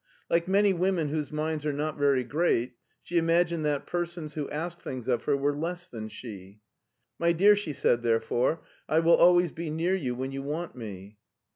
Like many women whose minds are not very great, she imagined that persons who asked things of her were less than she. " My dear," she said therefore, " I will always be near you when you want me."